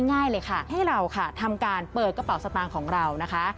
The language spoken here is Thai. ง่ายเลยค่ะให้เราค่ะทำการเปิดกระเป๋าสตางค์ของเรานะคะ